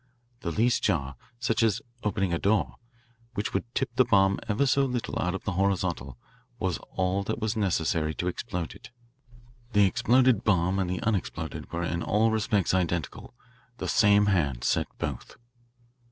The least jar, such as opening a door, which would tip the bomb ever so little out of the horizontal, was all that was necessary to explode it. The exploded bomb and the unexploded were in all respects identical the same hand set both."